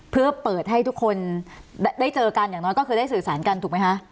เพื่อเปิดให้ทุกคนได้เจอกันอย่างน้อยก็คือได้สื่อสารกันถูกไหมคะ